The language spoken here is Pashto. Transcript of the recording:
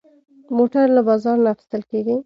موټر له بازار نه اخېستل کېږي.